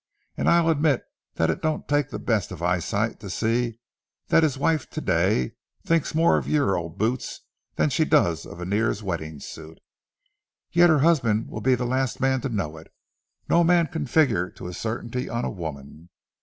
And I'll admit that it don't take the best of eyesight to see that his wife to day thinks more of your old boot than she does of Annear's wedding suit, yet her husband will be the last man to know it. No man can figure to a certainty on a woman.